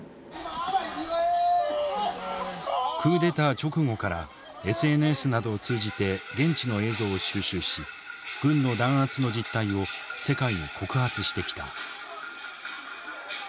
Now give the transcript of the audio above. クーデター直後からＳＮＳなどを通じて現地の映像を収集し軍の弾圧の実態を世界に告発してきた。